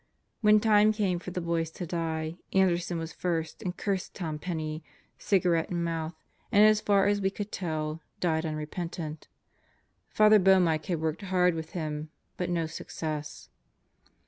... When time came for the boys to die, Anderson was in first and cursed Tom Penney, cigarette in mouth, and as far as we could tell, died unrepentant. Father Boehmicke had worked hard with him, but no success.